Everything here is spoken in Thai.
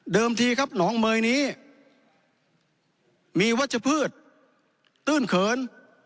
ทีครับหนองเมยนี้มีวัชพืชตื้นเขิน